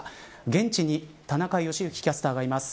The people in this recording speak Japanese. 現地に田中良幸キャスターがいます。